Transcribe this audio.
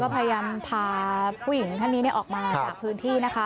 พยายามพาผู้หญิงท่านนี้ออกมาจากพื้นที่นะคะ